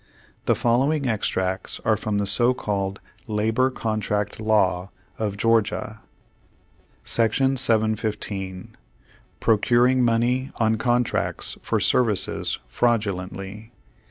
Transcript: The following extracts are from the so called "Labor Contract Law" of Georgia : Section 715. Procuring Money on Contracts for Services Fraudulently.